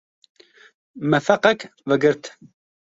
Me feqek vegirt.